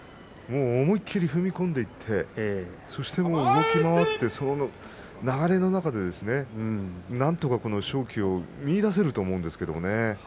思い切り踏み込んでいってそして動き回ってその流れの中でなんとか勝機を見いだせると思うんですけどね。